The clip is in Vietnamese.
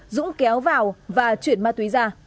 dũng kéo vào và chuyển ma túy ra